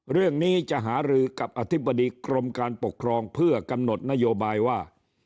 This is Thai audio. เรื่องนี้จะหารือกับอธิบดีกรมการปกครองเพื่อกำหนดนโยบายว่า